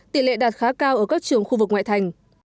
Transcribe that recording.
tỷ lệ đạt khá cao ở các trường khu vực ngoại thành